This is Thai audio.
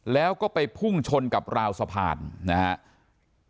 แล้วก็ไปพุ่งชนกับราวสะพานนะครับ